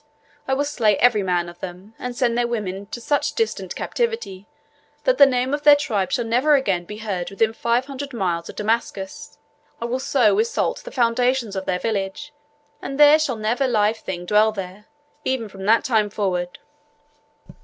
I will slay every male of them, and send their women into such distant captivity that the name of their tribe shall never again be heard within five hundred miles of Damascus. I will sow with salt the foundations of their village, and there shall never live thing dwell there, even from that time forward."